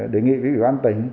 đề nghị với ủy ban tỉnh